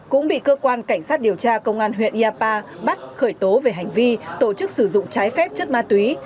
cũng bị cơ quan cảnh sát điều tra công an huyện iapa bắt khởi tố về hành vi tổ chức sử dụng trái phép chất ma túy